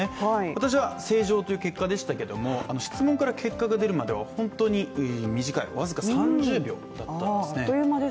私は正常という結果でしたけども、質問から結果が出るまでは本当に短い、僅か３０秒だったんですね。